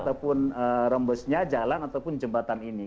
ataupun rembesnya jalan ataupun jembatan ini